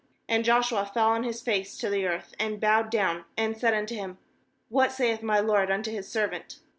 * And Joshua fell on his face to the earth, and bowed down, and said unto Mm: 'What saith my lord unto his servant?